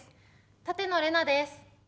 舘野伶奈です。